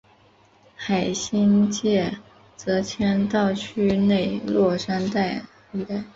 海心庙则迁到区内落山道一带。